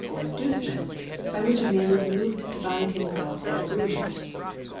314 TITLES [§124 inducement, by which a man is moved to bind himself by an agreement.